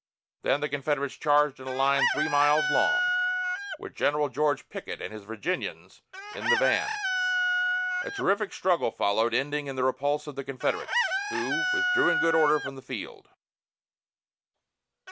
Then the Confederates charged in a line three miles long, with General George Pickett and his Virginians in the van. A terrific struggle followed, ending in the repulse of the Confederates, who withdrew in good order from the field.